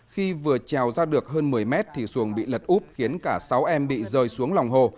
khi vừa trèo ra được hơn một mươi mét thì xuồng bị lật úp khiến cả sáu em bị rơi xuống lòng hồ